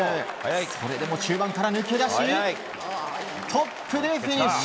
それでも中盤から抜け出しトップでフィニッシュ。